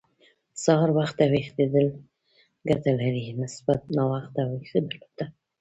سهار وخته ويښېدل ګټه لري، نسبت ناوخته ويښېدو ته.